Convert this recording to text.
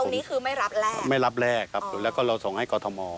ตรงนี้คือไม่รับแลกไม่รับแลกครับแล้วก็เราส่งให้กษมติมศาลโทษ